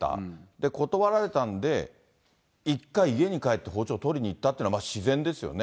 で、断られたんで、一回家に帰って、包丁取りに帰ったっていうのが自然ですよね。